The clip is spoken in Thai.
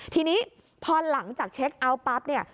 ทีนี้พอหลังจากเช็คเอาท์ปั๊บเนี่ย